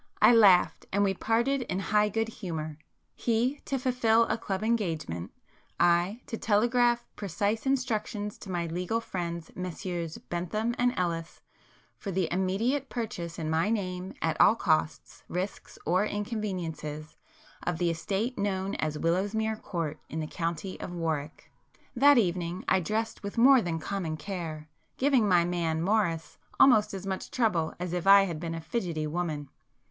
I laughed, and we parted in high good humour,—he to fulfil a club engagement, I to telegraph precise instructions to my legal friends Messrs Bentham and Ellis, for the immediate purchase in my name at all costs, risks or inconveniences, of the estate known as Willowsmere Court in the county of Warwick. That evening I dressed with more than common care, giving my man Morris almost as much trouble as if I had been a fidgetty woman.